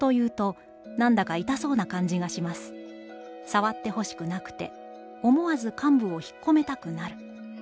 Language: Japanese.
さわってほしくなくて、思わず患部を引っ込めたくなる。